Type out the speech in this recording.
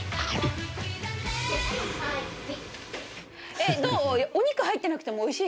えっどう？